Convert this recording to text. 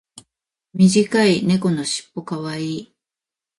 短い猫のしっぽ可愛い。